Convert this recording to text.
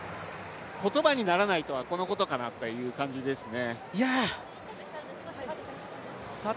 言葉にならないとはこのことかなという感じですね。